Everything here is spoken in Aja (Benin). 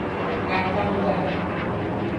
Akanga.